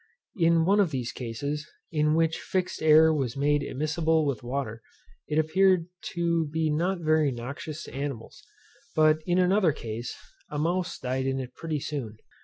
In one of these cases, in which fixed air was made immiscible with water, it appeared to be not very noxious to animals; but in another case, a mouse died in it pretty soon.